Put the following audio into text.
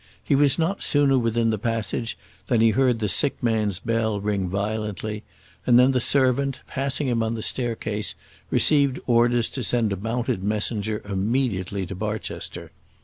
He was not sooner within the passage than he heard the sick man's bell ring violently; and then the servant, passing him on the staircase, received orders to send a mounted messenger immediately to Barchester.